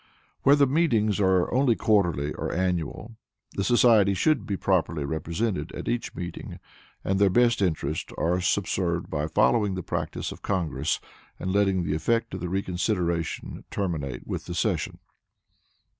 Where the meetings are only quarterly or annual, the society should be properly represented at each meeting, and their best interests are subserved by following the practice of Congress, and letting the effect of the reconsideration terminate with the session.